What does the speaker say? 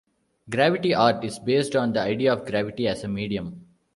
Gravity Art is based on the idea of gravity as a medium.